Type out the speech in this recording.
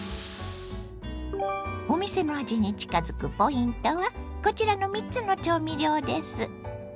お店の味に近づくポイントはこちらの３つの調味料です。